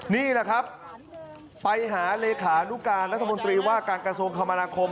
นี่แหละครับไปหาเลขานุการรัฐมนตรีว่าการกระทรวงคมนาคม